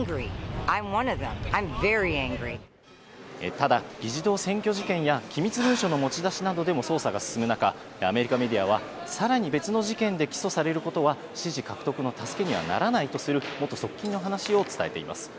ただ議事堂占拠事件や機密文書の持ち出しなどでも捜査が進む中、アメリカメディアはさらに別の事件で起訴されることは支持獲得の助けにはならないとする元側近の話を伝えています。